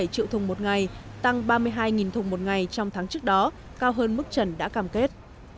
một mươi sáu mươi bảy triệu thùng một ngày tăng ba mươi hai thùng một ngày trong tháng trước đó cao hơn mức trần đã cam kết